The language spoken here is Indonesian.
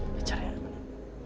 tujar ya kak erwin